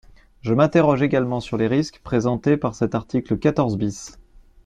Je m’interroge également sur les risques présentés par cet article quatorze bis.